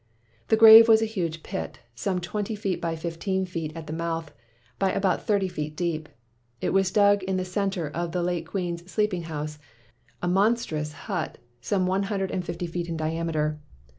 "The grave was a huge pit, some twenty feet by fifteen feet at the mouth, by about thirty feet deep. It was dug in the center of the late queen's sleeping house — a mon strous hut some one hundred and fifty feet in diameter.